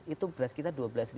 itu beras kita dua belas dua ratus